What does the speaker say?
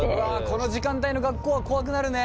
この時間帯の学校は怖くなるね。